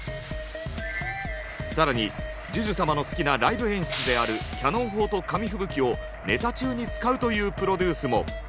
更にＪＵＪＵ様の好きなライブ演出であるキャノン砲と紙吹雪をネタ中に使うというプロデュースも。